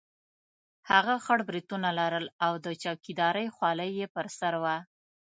هغه خړ برېتونه لرل او د چوکیدارۍ خولۍ یې پر سر وه.